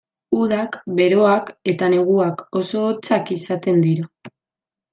Udak beroak eta neguak oso hotzak izaten dira.